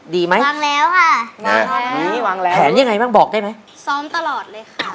ดีไหมวางแล้วค่ะแผนยังไงบ้างบอกได้ไหมซ้อมตลอดเลยค่ะ